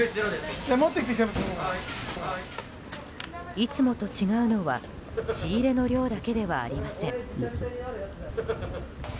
いつもと違うのは仕入れの量だけではありません。